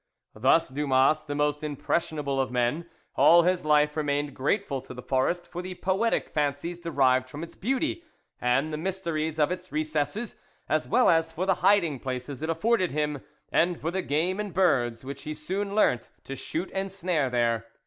Thus Dumas, the most impressionable of men, all his life remained grateful to the forest for the poetic fancies derived from its beauty and the mysteries of its recesses, as well as for the hiding places it afforded him, and for the game and birds which he soon learnt to shoot and snare there.